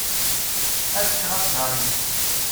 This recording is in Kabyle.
Ad ččeɣ abbaɣ-im.